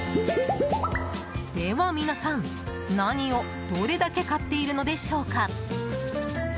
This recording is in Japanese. では皆さん、何をどれだけ買っているのでしょうか。